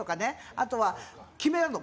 あとは、決めるの。